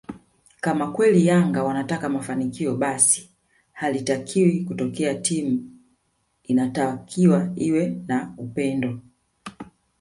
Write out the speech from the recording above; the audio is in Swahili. kama kweli Yanga wanataka mafanikio basi halitakiwi kutokea timu inatakiwa iwe na upendo